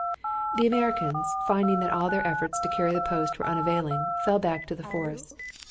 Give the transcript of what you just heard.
The Americans, finding that all their efforts to carry the post were unavailing, fell back to the forest.